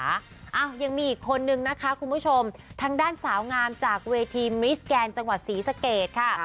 อ้าวยังมีอีกคนนึงนะคะคุณผู้ชมทางด้านสาวงามจากเวทีมิสแกนจังหวัดศรีสะเกดค่ะ